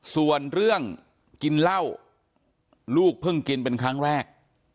ส่วนเรื่องกินเหล้าลูกเพิ่งกินเป็นครั้งแรก